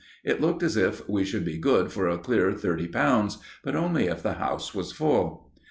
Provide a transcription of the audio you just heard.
It looked as if we should be good for a clear thirty pounds; but only if the house was full.